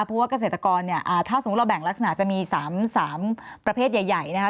เพราะว่าเกษตรกรเนี่ยถ้าสมมุติเราแบ่งลักษณะจะมี๓ประเภทใหญ่นะคะ